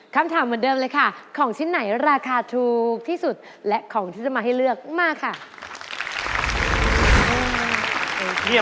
น่ากลัวนะร้านเราเนี่ย